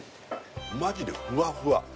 マジでふわふわ